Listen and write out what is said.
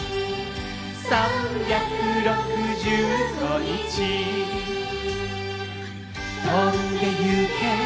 「３６５日」「飛んで行け！